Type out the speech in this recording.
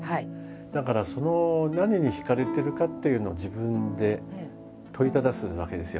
だからその何に惹かれてるかっていうのを自分で問いただすわけですよ。